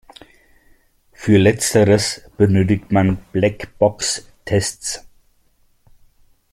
Für letzteres benötigt man Black-Box-Tests.